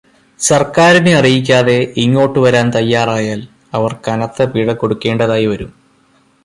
സർക്കാരിനെ അറിയിക്കാതെ ഇങ്ങോട്ട് വരാൻ തയ്യാറായാൽ അവർ കനത്ത പിഴ കൊടുക്കേണ്ടതായി വരും.